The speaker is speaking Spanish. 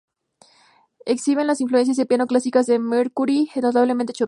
Exhibe las influencias de piano clásicas de Mercury, notablemente Chopin.